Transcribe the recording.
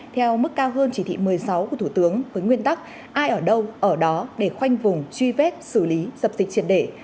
theo mức cao hơn chỉ thị một mươi sáu của thủ tướng với nguyên tắc ai ở đâu ở đó để khoanh vùng truy vết xử lý dập dịch triệt để